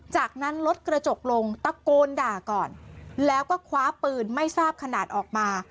จากนั้นรถกระจกลงตะโกนด่าก่อนแล้วก็คว้าปืนไม่ทราบขนาดออกมา